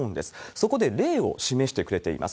そこで例を示してくれています。